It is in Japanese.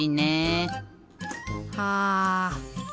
はあ。